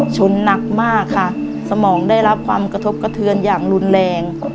ชนหนักมากค่ะสมองได้รับความกระทบกระเทือนอย่างรุนแรง